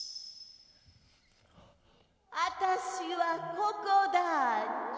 あたしはここだニャ。